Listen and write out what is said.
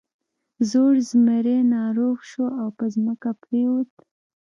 زوړ زمری ناروغ شو او په ځمکه پریوت.